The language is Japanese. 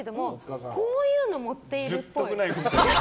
こういうの持ってるっぽい。